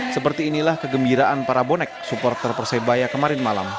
seperti inilah kegembiraan para bonek supporter persebaya kemarin malam